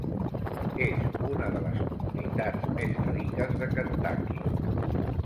És una de les comunitats més riques de Kentucky.